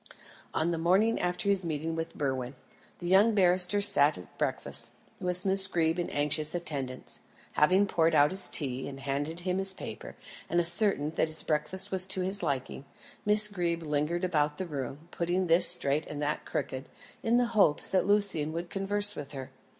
On the morning after his meeting with Berwin, the young barrister sat at breakfast, with Miss Greeb in anxious attendance. Having poured out his tea, and handed him his paper, and ascertained that his breakfast was to his liking, Miss Greeb lingered about the room, putting this straight and that crooked, in the hope that Lucian would converse with her.